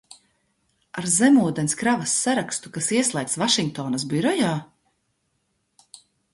Ar zemūdenes kravas sarakstu, kas ieslēgts Vašingtonas birojā?